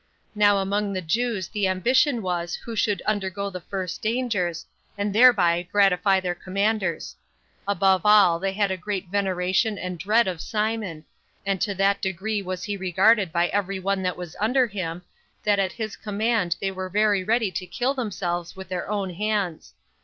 Now among the Jews the ambition was who should undergo the first dangers, and thereby gratify their commanders. Above all, they had a great veneration and dread of Simon; and to that degree was he regarded by every one of those that were under him, that at his command they were very ready to kill themselves with their own hands.